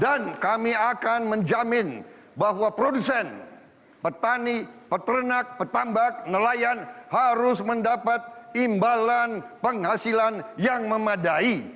dan kami akan menjamin bahwa produsen petani peternak petambak nelayan harus mendapat imbalan penghasilan yang memadai